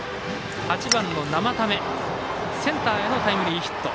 ８番の生田目センターへのタイムリーヒット。